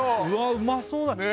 うまそうだ